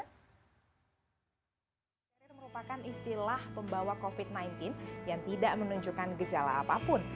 karir merupakan istilah pembawa covid sembilan belas yang tidak menunjukkan gejala apapun